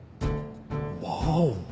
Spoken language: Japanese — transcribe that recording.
ワオ。